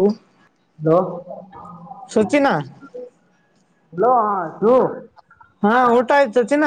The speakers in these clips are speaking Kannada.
ಹಲೋ ಹಲೋ ಸಚಿನಾ ಹಲೋ ಹಾ ಶು ಹಾ ಊಟ ಆಯ್ತು ಚಿನ್ನ.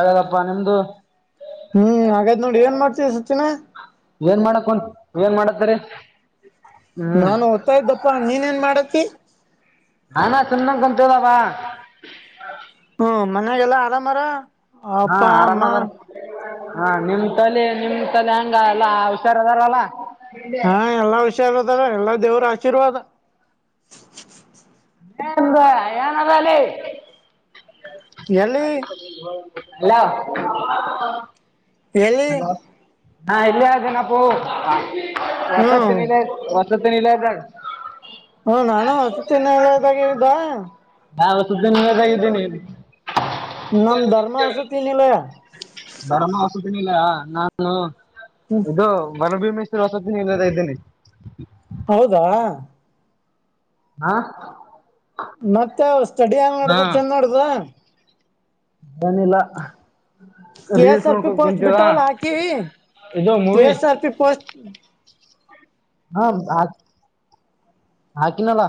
ಆಗ್ಯದಪ್ಪಾ ನಿಮ್ದು. ಹ್ಮ್ ಹಾಗಾದ್ ನೋಡಿ ಏನ್ ಮಾಡ್ತೀ ಸಚಿನ. ಏನ್ ಮಾಡಕೊಂಟ್ ಏನ್ ಮಾಡತ್ತರಿ. ಹ್ಮ್ ನಾನು ಓದ್ತಾ ಇದ್ದಪ್ಪಾ ನೀನ್ ಏನ್ ಮಾಡತ್ತಿ. ಹಾನ ಸುನ್ನಂ ಗಂತದಾವ. ಹ್ಮ ಮನ್ಯಾಗೆಲ್ಲ ಆರಾಮಾರ ಹಾ ಅಪ್ಪಾ ಅಮ್ಮ. ಆರಾಮದಾರ ಹಾ ನಿಮ್ ತಲ್ಲಿ ನಿಮ್ ತಲ್ಲಿ ಹಂಗ ಎಲ್ಲಾ ಹುಷಾರ ಅದಾರಲ್ಲ. ಹಾ ಎಲ್ಲಾ ಹುಷಾರದಾರ ಎಲ್ಲಾ ದೇವ್ರ ಆಶೀರ್ವಾದ. ಎಂಥಾ ಏನದಲೆ ಎಲ್ಲೀ ಹಲೋ ಎಲ್ಲಿ ಹಲೋ ಹಾ ಇಲ್ಲಿ ಅದೀನಪ್ಪೋ ಹ್ಮ್ ಹೊಸತ್ತಿನ ಇಲ್ಲಿ ವಸತಿ ನಿಲಯದಗ. ಹಾ ನಾನು ವಸತಿನಿಲಯದಗೇ ಇದ್ದಾ. ಹಾ ವಸತಿನಿಲಯದಗ ಇದ್ದಿನಿ ಇಲ್ಲಿ. ನಮ್ ಧರ್ಮ ವಸತಿನಿಲಯ. ಧರ್ಮ ವಸತಿನಿಲಯಾ ನಾನು ಹ್ಮ್ ಇದೂ ಭಲಭೀಮೇಶ್ವರ್ ವಸತಿನಿಲಯದಗ ಇದ್ದೇನೆ. ಹೌದಾ ಹಾ ಮತ್ತೆ ಸ್ಟಡಿ ಯಂಗ ಹಾ ನಡ್ದ ಚಂದ ನಡ್ದಾ. ಏನಿಲ್ಲ. K S reels R P ನೋಡ್ಕೋತ ಪೋಸ್ಟ್ ಕುಂತಿದ ಬಿಟ್ಟವಲ್ಲ ಹಾಕಿ ಇದು K movie S R P post ಹ ಹಾ ಹಾಕಿನಲ್ಲ.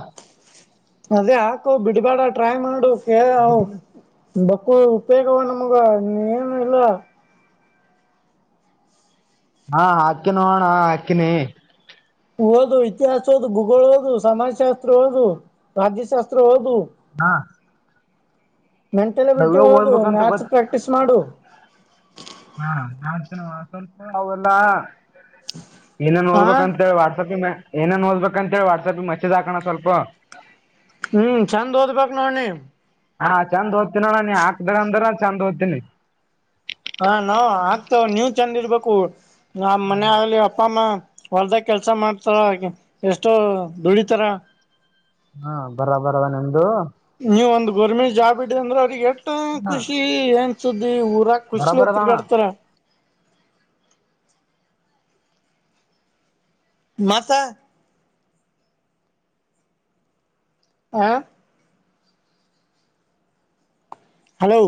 ಅದೇ ಹಾಕು ಬಿಡ್ಬೇಡ ಟ್ರೈ ಮಾಡು ಕೇ ಬಕ್ಕು ಉಪಯೋಗವ ನಮಗ ನಿ ಏನು ಇಲ್ಲ. ಹಾ ಹಕ್ಕಿನಿ ನೋಡ ಅಣ್ಣ ಹಕ್ಕಿನಿ. ಓದು ಇತಿಹಾಸ ಓದು ಭೂಗೋಳ ಹಓದು ಸಮಾಜಶಾಸ್ತ್ರ ಓದು ರಾಜ್ಯಶಾಸ್ತ್ರ ಓದು. ಹಾ ಮೆಂಟಲಬಿಲಿಟಿ ನವ್ಯ ಓದು ಓದ್ಬೇಕಂತ ಮ್ಯಾಥಸ್ ಗೊತ್ತ ಪ್ರಾಕ್ಟೀಸ್ ಮಾಡು. ಹಾ ನಾನ್ ಸ್ವಲ್ಪ ಅವೆಲ್ಲ. ಇನ್ನೇನ್ ಹಾ ನೋಡ್ಬೇಕಂತೇಳ ವಾಟ್ಸಪ್ ಮೇ ಏನನ ಓದಬೇಕ ಅಂತ ಹೇಳ ವಾಟ್ಸಪ್ ಮಸೇಜ ಹಾಕಣ್ಣ ಸ್ವಲ್ಪ. ಹ್ಮ್ ಚೆಂದ್ ಓದ್ಬೇಕಕ್ ನೋಡ ನಿ. ಹಾ ಚಂದ ಓದ್ತಿನ ಅಣ್ಣ ನೀ ಹಾಕ್ದಂದ್ರ ಚಂದ ಓದ್ತಿನಿ. ಹಾ ನಾವ ಆಗ್ತ ನೀವ್ ಚಂದ ಇರ್ಬೇಕು ನ ಮನ್ಯಾಗ ಆಗ್ಲಿ ಅಪ್ಪ ಅಮ್ಮ್. ಹೊಲ್ದಾಗ ಕೆಲ್ಸ ಮಾಡ್ತಾರ ಎಷ್ಟೋ ದುಡಿತಾರ. ಹಾ ಬರ ಬರ ಅದ ನಿಮ್ದು. ನೀವ ಒಂದ ಗೋರ್ಮೆಂಟ್ ಜಾಬ್ ಇಡದಿ ಅಂದ್ರ ಅವ್ರಿಗೆ ಎಷ್ಟ ಹಾ ಖುಷಿ ಏನ್ ಸುದ್ದಿ ಊರಗ ಖುಷಲ ಬರಬರದಣ ತಿರುಗಾಡ್ತಾರ. ಮತ್ತ. ಹಾ ಹಲೋ.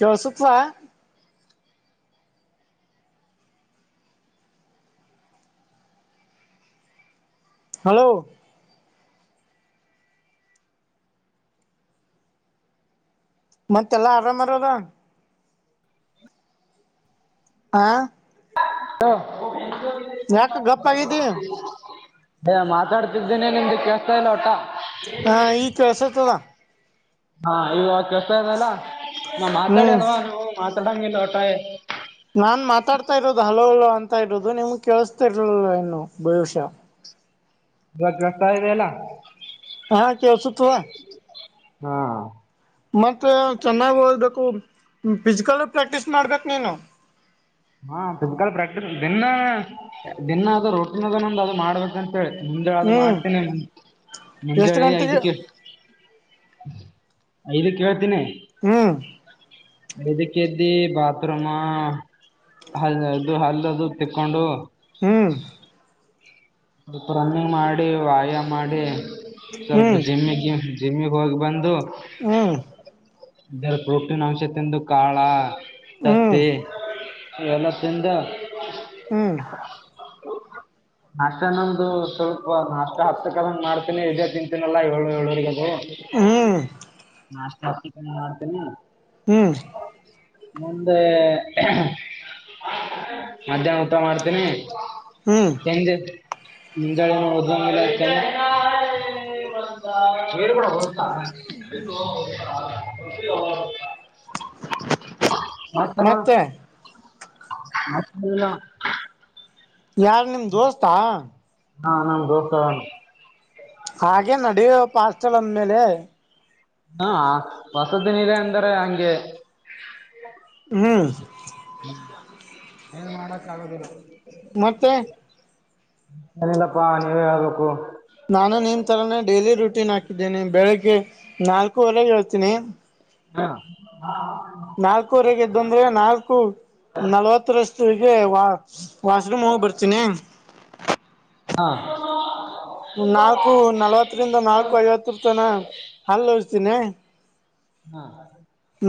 ಕೆಲ್ಸುತದ. ಹಲೋ. ಮತ್ತೆ ಎಲ್ಲಾ ಆರಾಮ್ ಹರಾ ಅಲ್ಲ. ಹಾ ಹಲೋ. ಯಾಕ ಗಪ್ ಆಗಿದಿ ಏ ಮಾತಾಡ್ತಿದ್ದೇನೆ ನಿಮ್ದ ಕೇಸ್ತಾ ಇಲ್ಲ ಒಟ್ಟ. ಹಾಂ ಈಗ ಕೆಳ್ಸತದ. ಹಾ ಇವಾಗ ಕೆಸ್ತ ಇದಲ್ಲ ನಾ ಹ್ಮ್ ಮಾತಾಡ್ಯನೂ ನೀವು ಮಾತಾಡಂಗ ಇಲ್ಲ ಒಟ. ನಾನ್ ಮಾತಾಡ್ತಾ ಇರೋದು ಹಲೋ ಹಲೋ ಅಂತ ಇರೋದು ನಿಮ್ಗೆ ಕೇಳಸ್ತಿರ್ಲಿಲ್ಲ ಏನೋ ಭವಿಷ್ಯ. ಇವಾಗ ಬರ್ತ ಇದೆ ಅಲ್ಲ. ಹಾ ಕಳ್ಸುತ್ತವಾ. ಹಾ ಮತ್ತು ಚೆನ್ನಾಗಿ ಓದಬೇಕು ಫಿಸಿಕಲ್ ಪ್ರ್ಯಾಕ್ಟೀಸ್ ಮಾಡ್ಬೇಕು ನೀನು. ಹಾ ಫಿಸಿಕಲ ಪ್ರಾಕ್ಟೀ ದಿನ ಅಣ್ಣ ದಿನ ಅದು ರೋಟಿನದೊಂದು ಅದು ಮಾಡ್ಬೇಕ ಅಂತ ಹೇಳಿ ಮುಂಜಾಳೆ ಅದು ಹ್ಮ್ ಮಾಡ್ತೇನಿ ಎಷ್ಟು ಮುಂಜಾಳೆ ಗಂಟೆಗೆ ಐದಕ್ಕ ಎದ್ದಿ. ಐದಕ್ಕೆ ಏಳ್ತೀನಿ. ಹ್ಮ್ ಐದಕ್ಕ ಎದ್ದಿ ಬಾತ್ರೂಮ ಹಲ್ಲ ಅದು ಹಲ್ಲ ಅದು ತಿಕ್ಕೊಂಡು. ಹ್ಮ್ ಸ್ವಲ್ಪ ರನ್ನಿಂಗ್ ಮಾಡಿ ವ್ಯಾಯಾಮ ಮಾಡಿ ಸ್ವಲ್ಪ ಹ್ಮ್ ಜಿಮ್ಮಿಗೆ ಜಿಮ್ಮಿಗೆ ಹೋಗಿ ಬಂದು. ಹ್ಮ್ ಇದರ ಪ್ರೋಟೀನ್ ಅಂಶ ತಿಂದು ಕಾಳ ಹ್ಮ್ ತತ್ತಿ. ಎಲ್ಲ ತಿಂದ. ಹ್ಮ್ ನಾಷ್ಟ ನಮ್ದಂದು ಸ್ವಲ್ಪ ನಾಷ್ಟ ಹತ್ತಕ್ಕ ಹಂಗ ಮಾಡ್ತೀನಿ ಇದೇ ತಿಂತೀನಲ್ಲಾ ಏಳು ಏಳವರಿಗದು. ನಾಷ್ಟ [unintelligible] ಹ್ಮ ಮುಂದೆ [unintelligible] ಮಧ್ಯಾಹ್ನ ಊಟ ಮಾಡ್ತಿನಿ. [unintelligible] ಹ್ಮ್ [unintelligible] ಮಾತಾಡೋ ಮತ್ತೆ ಮಾತಾಡಿಲ್ಲ. ಯಾರ್ ನಿಮ್ ದೋಸ್ತಾ? ಹಾ [unintelligible] ದೋಸ್ತಾ ಅವ್ನು. ಹಾಗೆ ನಡೆಯೋ ಪ ಹಾಸ್ಟೆಲ್ ಅಂದ ಮೇಲೆ ಹಾ ಹೊಸದಿನ ಇದೆ ಅಂದರೆ ಹಂಗೆ. ಹ್ಮ ಏನ್ ಮಾಡಕ್ ಆಗೋದಿಲ್ಲ. ಮತ್ತೆ? [unintelligible] ನೀವೇ ಹೇಳ್ಬೇಕು? ನಾನು ನಿನ್ ತರಾನೇ ಡೈಲಿ ರುಟೀನ್ ಹಾಕಿದ್ದೇನೆ. ಬೆಳಿಗ್ಗೆ ನಾಲ್ಕೂವರೆಗೆ ಏಳ್ತೀನಿ. ಹಾ ನಾಲ್ಕೂವರೆಗೆ ಎದ್ ಅಂದ್ರೆ ನಾಲ್ಕು ನಲ್ವತ್ತ ರಷ್ಟಿಗೆ ವಾ ವಾಶ್ರೂಮ್ ಹೋಗ್ಬರ್ತೀನಿ. ಹಾ ನಾಲ್ಕು ನಲ್ವತ್ತರಿಂದ ನಾಲ್ಕು ಐವತ್ತರ ತನ ಹಲ್ಲೋಸ್ತೀನಿ. ಹಾ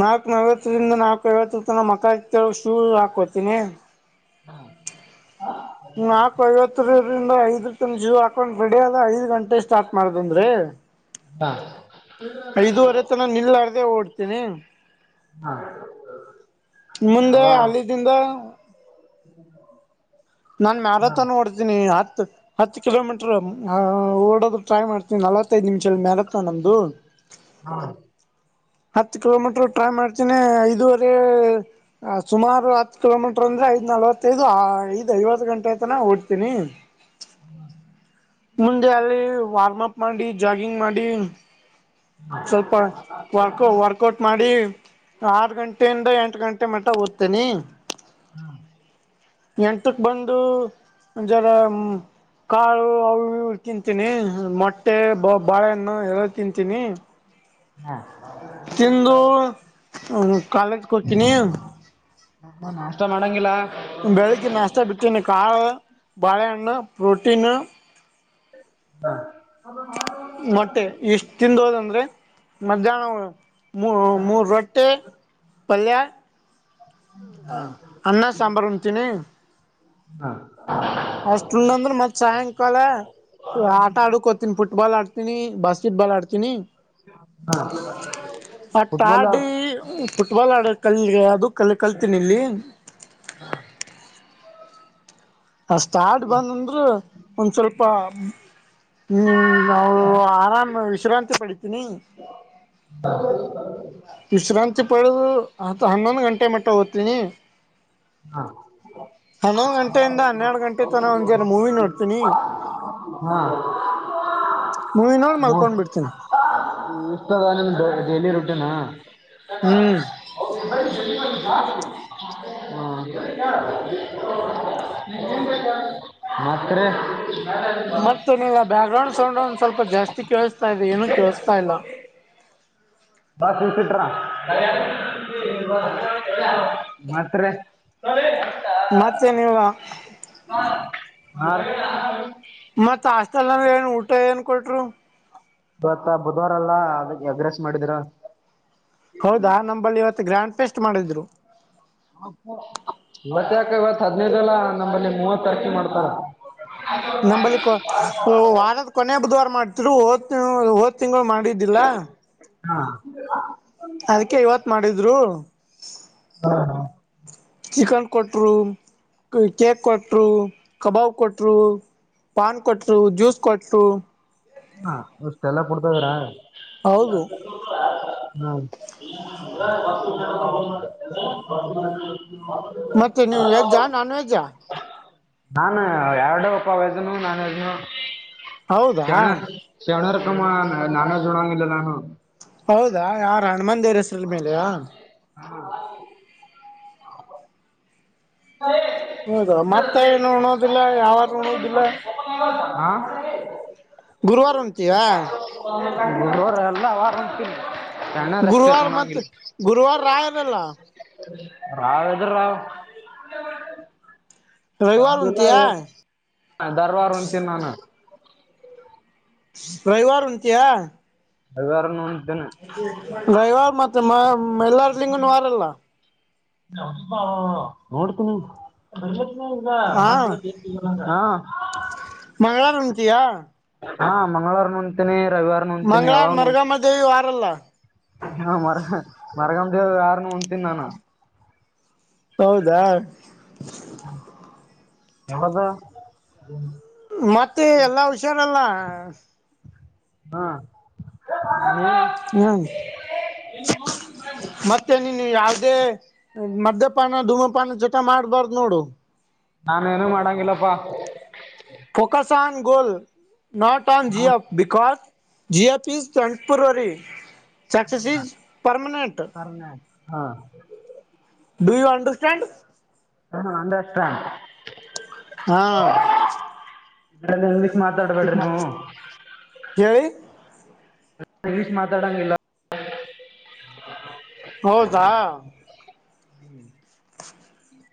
ನಾಲ್ಕು ನವತ್ತರಿಂದ ನಾಲ್ಕು ಐವತ್ರು ತನ ಮಕಾ ತೋಳ್ದು ಶೂ ಹಾಕೋ ತಿನಿ. ನಾಕ್ [unintelligible] ಐದ್ [unintelligible] ಶೂ ಹಾಕೊಂಡ್ ರೆಡಿ ಆದ ಐದ್ ಗಂಟೆ ಸ್ಟಾರ್ಟ ಮಾಡ್ದನ್ ರೀ. [unintelligible] ಐದೂವರೆ ತನ ನಿಲ್ಲಾರದೆ ಓಡ್ತೇನಿ. ಹಾ ಹಾ ಮುಂದ ಅವ ಅಲ್ಲಿದಿಂದ [inaudible] ನಾನ್ ಹಾ ಮ್ಯಾರಥನ್ ಓಡ್ತೀನಿ ಹತ್ ಹತ್ತು ಕಿಲೋಮೀಟರ್ ಓಡೋದು ಟ್ರೈ ಮಾಡ್ತೀನಿ ನಲವತ್ತೈದು ನಿಮಿಷ ಮ್ಯಾರಥಾನ್ ನಮ್ದು. ಹ ಹತ್ತು ಕಿಲೋಮೀಟರ್ ಟ್ರೈ ಮಾಡ್ತೇನಿ ಐದುವರೆ ಸುಮಾರು ಹತ್ತು ಕಿಲೋಮೀಟರ್ ಅಂದ್ರೆ ಐದ್ ನಲ್ವತ್ತೈದು ಐದು ಐವತ್ತು ಗಂಟೆ ಆತನ ಓಡ್ತೀನಿ. [unintelligible] ಮುಂದೆ ಅಲ್ಲಿ ವಾರ್ಮಪ್ ಮಾಡಿ ಜಾಗಿಂಗ್ ಮಾಡಿ ಸ್ವಲ್ಪ ವಾಕೋ ವರ್ಕ್ ಕೊಟ್ ಮಾಡಿ ಆರು ಗಂಟೆಯಿಂದ ಎಂಟು ಗಂಟೆ ಮಟ್ಟ ಓದ್ತೇನೆ. ಹ್ಮ ಎಂಟಕ್ಕೆ ಬಂದು [unintelligible] ಕಾಳು ಅವು ಇವು ತಿಂತೀನಿ ಮೊಟ್ಟೆ ಬ ಬಾಳೆಹಣ್ಣ ಎಲ್ಲ ತಿಂತೀನಿ. ಹಾ ತಿಂದು ಹ್ಮ ಕಾಲೇಜ ಕೊತನಿ. [unintelligible] ನಾಷ್ಟ ಮಾಡಂಗಿಲ್ಲಾ? ಬೆಳಿಗ್ಗೆ ನಾಷ್ಟ ಬಿಟ್ಟನೆ ಕಾಳ ಬಾಳೆಹಣ್ಣು ಪ್ರೋಟೀನ್ ಹಾ ಮತ್ತೆ ಎಷ್ ತಿಂದೋದಂದ್ರೆ ಮಧ್ಯಾಣ ಮು ಮೂರು ರೊಟ್ಟೆ. ಪಲ್ಯ. ಹಾ ಅನ್ನ ಸಾಂಬಾರು ಉಣ್ತೀನಿ ಹಾ ಅಷ್ಟುಂಡ್ನಂದ್ರ ಮತ್ತ್ ಸಾಯಂಕಾಲಾ ಆಟ ಆಡಕೋತೀನಿ ಫುಟ್ಬಾಲ್ ಆಡ್ತೀನಿ ಬಾಸ್ಕೆಟ್ ಬಾಲ್ ಆಡ್ತೀನಿ. ಹಾ ಫುಟ್ಬಾಲ್ ಆಟ್ಟಾಡಿ ಫುಟ್ಬಾಲ್ ಆಡ ಕಲ್ ಅದು ಕಲ್ ಕಲ್ತನಿ ಇಲ್ಲಿ. ಹಾ ಆಸ್ಟಾಡ ಬಂದ ಅಂದ್ರೆ ಒಂದ್ ಸ್ವಲ್ಪ ಹ್ಮ ನಾವು ಆರಾಮ್ ವಿಶ್ರಾಂತಿ ಪಡಿತೀನಿ. ಹೌದು ಹೌದು ವಿಶ್ರಾಂತಿ ಪಡೆದು ಆತ ಹನ್ನೊಂದು ಗಂಟೆ ಮಟ್ಟ ಹೋಗ್ತೀನಿ. ಹಾ [unintelligible] ಹ್ಮ್ ಹನ್ನೊಂದು ಗಂಟೆಯಿಂದ ಹನ್ನೆರಡು ಗಂಟೆ ತನ ಒಂದ್ ಜರ ಮೂವಿ ನೋಡ್ತೀನಿ ಹ ಮೂವಿ ನೋಡ್ ಮಲ್ಕೊಂಡ್ ಬಿಡ್ತೀನಿ ಈ ಇನ್ಸಟ್ರಗ್ರಾಮಿಂದ ಡೇಲಿ ರೂಟ್ಟಿನ್ನಾ. ಹ್ಮ್ ಅವ್ರ ಬೈ [unintelligible] ಹ್ಮ ಮಾತ್ರೆ. ಹಾ [unintelligible] [unintelligible] ಬ್ಯಾಕ್ ಗ್ರೌಂಡ್ ಸೌಂಡ್ ಒಂದ್ ಸ್ವಲ್ಪ ಜಾಸ್ತಿ ಕೇಳಿಸ್ತಾ ಇದೆ ಏನು ಕೇಳಿಸ್ತಾ ಇಲ್ಲ. ಬಾಳ [unintelligible] ಇಟ್ರ ಮತ್ರೆ ಹ ಮತ್ತೇನೀವ ಹಾ ಮತ್ತು ಆಸ್ಟಲ್ ಅಂದ್ರೆ ಏನು ಊಟ ಏನು ಕೊಟ್ರು. ಇವತ್ತ ಬುಧವಾರಲ್ಲಾ ಅದ್ಕ ಎಗ್ರೆಸ್ ಮಾಡಿದ್ರು. ಹೌದಾ ನಂಬಲ್ಲಿ ಇವತ್ತು ಗ್ರ್ಯಾಂಡ್ ಪೇಸ್ಟ್ ಮಾಡಿದ್ರು. ಇವತ್ ಯಾಕ ಇವತ್ ಹದ್ನೈದಲ್ಲ ನಮ್ಮಲ್ಲಿ ಮೂವತ್ ತಾರಕಿ ಮಾಡ್ತಾರ. ಹೌ [unintelligible] ನಂಬಲ್ಲಿ ಕೊ ವಾರದ ಕೊನ ಬುಧವಾರ ಮಾಡ್ತಿರು ಹೋದ್ ತಿ ಹೋದ್ ತಿಂಗಳು ಮಾಡಿದ್ದಿಲ್ಲ. ಹಾ ಅದಕ್ಕೆ ಇವತ್ ಮಾಡಿದ್ರು. ಹಾ ಹಾ ಚಿಕನ್ ಕೊಟ್ರು ಕೇಕ್ ಕೊಟ್ರು ಕಬಾಬ್ ಕೊಟ್ರು. ಪಾನ್ ಕೊಟ್ರು ಜ್ಯೂಸ್ ಕೊಟ್ರು. ಹಾ ಅಷ್ಟೆಲ್ಲ ಕುಡ್ತಾ ಇದಾರಾ. ಹೌದು ಹ್ಮ ಮತ್ತೆ ನೀವು ವೆಜ್ಜಾ ನಾನ್ [unintelligible] ವೆಜ್ಜಾ ನಾನು ಯರಡ ಪಾ ವಯ್ದನು ನಾನ್ದನು. ಹೌದಾ ಶರಣ ಶಣರಕಮ್ಮ ನಾನ್ವೆಜೋಣಂಗಿಲ್ಲ ನಾನು. ಹೌದಾ ಯಾರ ಹಣಮಂದೆವ್ರ ಹೆಸ್ರಲ್ ಮೇಲೆಯಾ. ಹಾ ಹಾ ಹೌದ ಮತ್ತ ಏನು ಉಣೋದಿಲ್ಲ ಯಾವಾರೂ ಉಣುದಿಲ್ಲ. ಆ ಗುರುವಾರ ಉಣ್ತಿಯಾ. ಗುರುವಾರ ಎಲ್ಲ ವಾರ ಉಣ್ತಿನಿ. ಗುರುವಾರ ಮತ್ತ ಗುರುವಾರ ರಾಯರಲ್ಲ. ರಾವ್ ಎದರ್ ರಾವ್. ರವಿವಾರ ನಾವೆಲ್ಲ ಉಂತಯಾ ಎನ್ ದರ್ವಾರ್ ಉಂತೀನ್ ನಾನ. ರವಿವಾರ್ ಉಣ್ತೀಯಾ. ರವಿವಾರನು. ರವಿವಾರ ಮತ್ತ ಮೈ ಮೈಲಾರ್ಲಿಂಗನ ವಾರಲ್ಲ. ಎಪ್ಪಾ ನೋಡ್ತೀನಿ ಬರ್ಲಿಲ್ ಹಾ ಈಗ ಮತ್ತ ಹಾಂ. [unintelligible] ಮಂಗಳಾರ ಉಣ್ತಿಯಾ. ಹಾಂ ಮಂಗಳವಾರನು ಉಣ್ತೀನಿ ರವಿವಾರ್ ಮಂಗಳಾರ ಮರುಗಮ್ಮ ದೇವಿ ವಾರಲ್ಲ. ಹಾ ಮರ ಹ್ಹ್ ಮರಗಮ್ ದೇವಿ ವಾರನು ಉಣ್ತೀನಿ ನಾನು. ಹೌದಾ. ಯಾವಾಗ. ಮತ್ತೆ ಎಲ್ಲಾ ಹುಷಾರಲ್ಲ. ಹ್ಮ. [unintelligible] ಹಾಂ ಎ [unintelligible] ಮತ್ತೆ ನೀನು ಯಾವುದೇ ಮದ್ಯಪಾನ ಧೂಮಪಾನ ಚಟ ಮಾಡ್ಬಾರ್ದ್ ನೋಡು. ನಾನ ಏನು ಮಾಡಂಗಿಲ್ಲಪ್ಪಾ. Focus on goal not on GF. Because GF is ಟೆಂಪುರರಿ. [unintelligible] ಹಾ. Do you understand. ಹಂ ಅಂದಷ್ಟ. ಹಾಂ ನ ಎನ್ಲಿಕ್ ಮಾತಾಡ್ಬೇಡ್ರಿ ನೀವು. ಕೇಳಿ. ಇಂಗ್ಲಿಷ್ ಮಾತಾಡಂಗಿಲ್ಲ. ಹೌದಾ. ಹ್ಮ್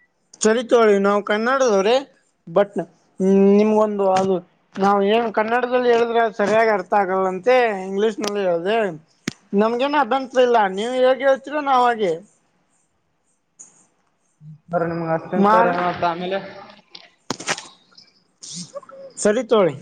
ಚರಿತೋಳಿ ನಾವು ಕನ್ನಡದವ್ರೇ ಬಟ್ ಹ್ಮ ನಿಮ್ಗೊಂದು ಅದು. ನಾವ್ ಏನ್ ಕನ್ನಡದಲ್ಲಿ ಹೇಳಿದ್ರೆ ಅದ್ ಸರಿಯಾಗಿ ಅರ್ಥ ಆಗಲ್ಲ ಅಂತೆ ಇಂಗ್ಲಿಷ್ ನಲ್ಲಿ ಹೇಳ್ದೆ. ನಮ್ಗೇನ ಅಬ್ಯಂತರಿಲ್ಲ ನೀವು ಹೇಗೆ ಹೇಳ್ತೀರ ನಾವ್ ಹಾಗೆ. ಸರ ನಿಮ್ಗೆ ಮಾರ್ ಅಷ್ಟಂಟಾರ ಮತ್ತ ಆಮೇಲೆ. ಸರಿ ತೋಳಿ.